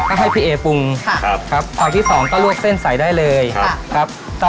ก็ให้พี่เอปรุงครับอันที่สองก็ลวกเส้นใส่ได้เลยครับ